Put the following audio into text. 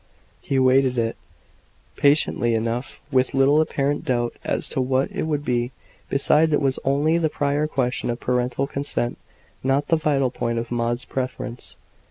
He waited it, patiently enough, with little apparent doubt as to what it would be. Besides, it was only the prior question of parental consent, not the vital point of Maud's preference.